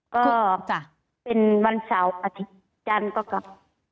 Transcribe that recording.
ก็ค่ะเป็นวันเสาร์อาทิตย์จันทร์ก็กลับ